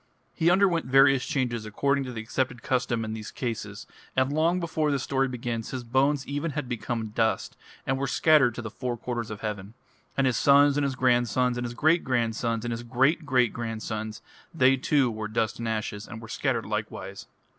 He underwent various changes according to the accepted custom in these cases, and long before this story begins his bones even had become dust, and were scattered to the four quarters of heaven. And his sons and his grandsons and his great grandsons and his great great grandsons, they too were dust and ashes, and were scattered likewise.